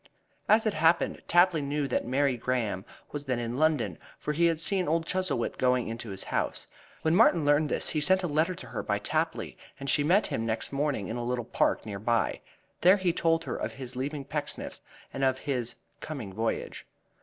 As it happened, Tapley knew that Mary Graham was then in London, for he had seen old Chuzzlewit going into his house. When Martin learned this he sent a letter to her by Tapley, and she met him next morning in a little park near by. There he told her of his leaving Pecksniff's and of his coming voyage.